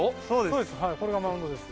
そうですこれがマウンドです。